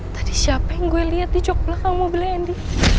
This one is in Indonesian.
tadi siapa yang gue liat di jok belakang mobilnya andy